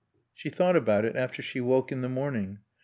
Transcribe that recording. She thought about it after she woke in the morning.